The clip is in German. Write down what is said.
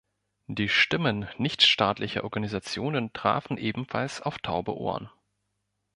Die Stimmen nichtstaatlicher Organisationen trafen ebenfalls auf taube Ohren.